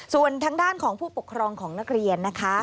ส่วนทางด้านของผู้ปกครองของนักเรียนนะคะ